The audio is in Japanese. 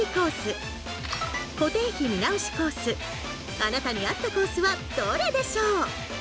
あなたに合ったコースはどれでしょう？